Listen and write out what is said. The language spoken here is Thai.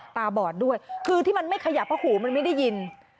ตาบอดด้วยคือที่มันไม่ขยับเพราะหูมันไม่ได้ยิน